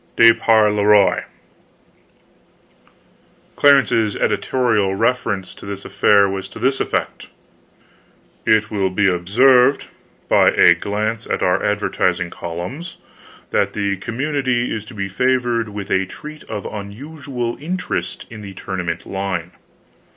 DE PAR LE ROI Clarence's editorial reference to this affair was to this effect: It will be observed, by a gl7nce at our advertising columns, that the commu nity is to be favored with a treat of un usual interest in the tournament line.